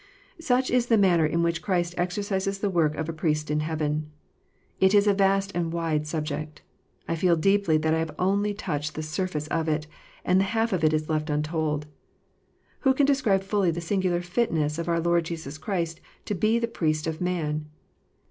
Such is the manner in which Christ exercises the work of a Priest in heaven. It is a vast and wide subject. I feel deeply that I have only touched the surface of it, and the half of it is left untold. Who can describe fully the singular fitness of our Lord Jesus Christ to be the Priest of man